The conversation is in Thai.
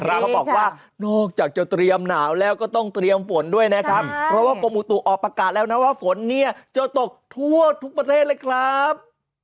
เขาบอกว่านอกจากจะเตรียมหนาวแล้วก็ต้องเตรียมฝนด้วยนะครับเพราะว่ากรมอุตุออกประกาศแล้วนะว่าฝนเนี่ยจะตกทั่วทุกประเทศเลยครับ